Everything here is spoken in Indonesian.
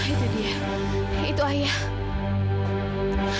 itu dia itu ayah